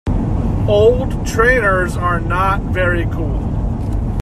Old trainers are not very cool